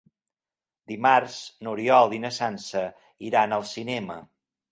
Dimarts n'Oriol i na Sança iran al cinema.